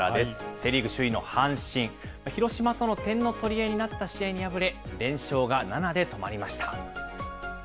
セ・リーグ首位の阪神、広島との点の取り合いになった試合に敗れ、連勝が７で止まりました。